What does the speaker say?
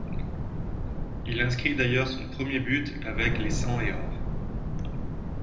Il inscrit d'ailleurs son premier but avec les sang et or.